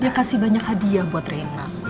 dia kasih banyak hadiah buat rena